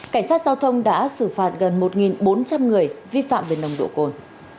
cảnh sát giao thông đã xử phạt gần một bốn trăm linh người vi phạm về nồng độ cồn